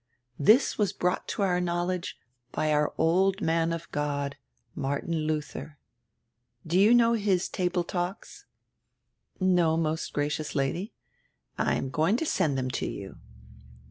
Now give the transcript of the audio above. This was brought to our knowledge by our old man of God, Martin Luther. Do you know his Table TaJks?" "No, most gracious Lady." "I am going to send them to you."